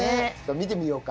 見てみようか。